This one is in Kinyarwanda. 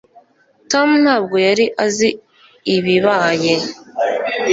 Tom ntabwo yari azi ibibaye